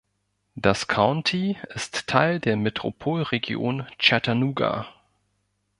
Das County ist Teil der Metropolregion Chattanooga.